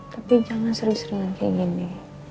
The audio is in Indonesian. tapi jangan sering seringan kayak gini